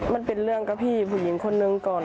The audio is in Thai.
มันเป็นเรื่องกับพี่ผู้หญิงคนนึงก่อน